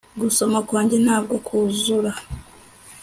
Gusomana kwanjye ntabwo kuzura